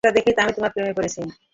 ওটা দেখেই তো আমি তোমার প্রেমে পড়েছি।